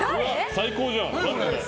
最高じゃん！